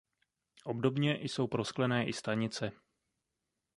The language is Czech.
Obdobně jsou prosklené i stanice.